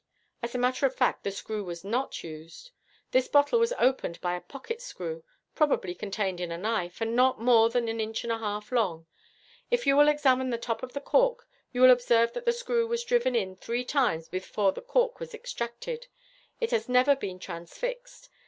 As a matter of fact, that screw was not used. This bottle was opened by a pocket screw, probably contained in a knife, and not more than an inch and a half long. If you will examine the top of the cork, you will observe that the screw was driven in three times before the cork was extracted. It has never been transfixed.